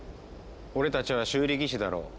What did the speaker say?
俺たちは修理技師だろう。